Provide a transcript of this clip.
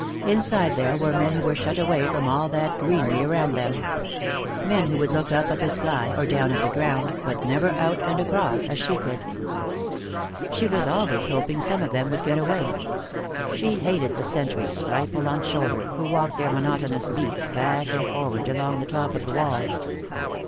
Inside there were men who were shut away from all that greenery around them. Men who could look up at the sky, or down at the ground, but never out and across, as she could. She was always hoping some of them would get away. She hated the sentries, rifle on shoulder, who walked their monotonous beats, back and forward, along the top of the wall.